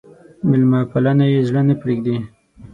مېلمه پالنه يې زړه نه پرېږدي.